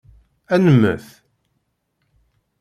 Ad nemmet?